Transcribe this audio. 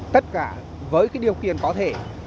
tất cả với cái điều kiện có thể